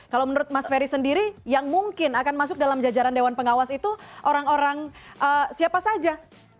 kalau menurut mas ferry sendiri yang mungkin akan masuk dalam jajaran dewan pengawas itu orang orang siapa saja